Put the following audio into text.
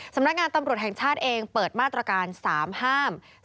สำนักงานตำรวจแห่งชาติเองเปิดมาตรการ๓ห้าม